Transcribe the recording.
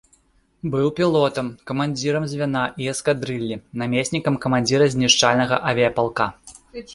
Быў пілотам, камандзірам звяна і эскадрыллі, намеснікам камандзіра знішчальнага авіяпалка.